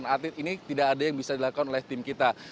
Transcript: dan daftaran atlet ini tidak ada yang bisa dilakukan oleh tim kita